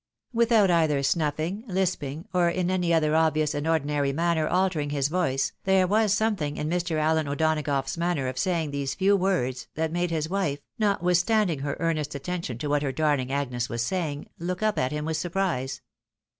Without either snuffling, lisping, or in any other obvious and ordinary manner altering his voice, there was something in Mr. Allen O'Donagough's manner of saying these few words, that made his wife, notwithstanding her earnest attention to what her darUng Agnes was saying, look up at him with surprise.